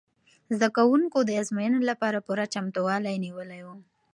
زده کوونکو د ازموینې لپاره پوره چمتووالی نیولی و.